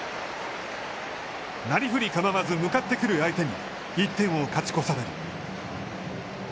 なりふり構わず向かってくる相手に１点を勝ち越される。